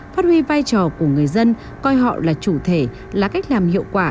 phát huy vai trò của người dân coi họ là chủ thể là cách làm hiệu quả